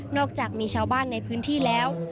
อกจากมีชาวบ้านในพื้นที่แล้ว